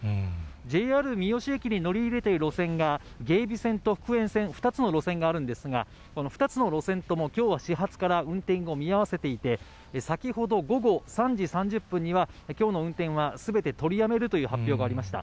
ＪＲ三次駅に乗り入れている路線が、芸備線と福塩線、２つの路線があるんですが、この２つの路線ともきょうは始発から運転を見合わせていて、先ほど午後３時３０分には、きょうの運転はすべて取りやめるという発表がありました。